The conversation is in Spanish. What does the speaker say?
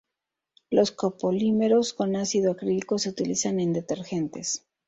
Los copolímeros con ácido acrílico se utilizan en detergentes.